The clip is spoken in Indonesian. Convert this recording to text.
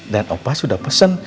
dan opa sudah pesen